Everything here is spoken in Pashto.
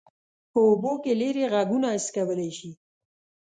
په اوبو کې لیرې غږونه حس کولی شي.